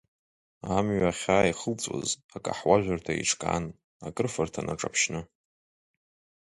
Амҩа ахьааихылҵәоз акаҳуажәырҭа еиҿкаан, акрыфарҭа наҿаԥшьны.